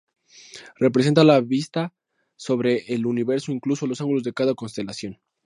Representa la vista sobre el universo incluso los ángulos de cada constelación.